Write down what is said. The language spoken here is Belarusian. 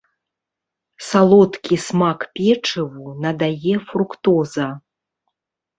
Салодкі смак печыву надае фруктоза.